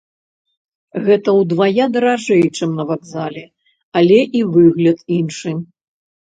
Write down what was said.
Гэта ўдвая даражэй, чым на вакзале, але і выгляд іншы.